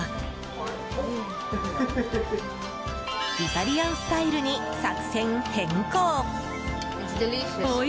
イタリアンスタイルに作戦変更！